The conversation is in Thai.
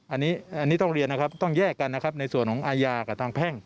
อันนี้ต้องเรียนนะครับต้องแยกกันนะครับในส่วนของอาญากับทางแพ่ง